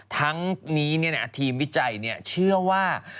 ทั้งนี้ทีมวิจัยเชื่อว่า